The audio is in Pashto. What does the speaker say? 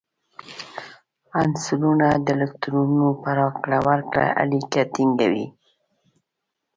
عنصرونه د الکترونونو په راکړه ورکړه اړیکې ټینګوي.